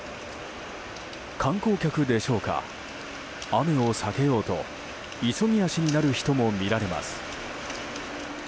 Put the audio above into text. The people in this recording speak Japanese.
観光客でしょうか雨を避けようと急ぎ足になる人も見られます。